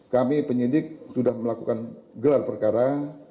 kami penyidik sudah melakukan gelar perkara